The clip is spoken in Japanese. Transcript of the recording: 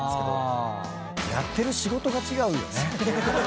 やってる仕事が違うよね。